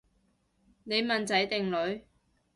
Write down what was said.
你問仔定女？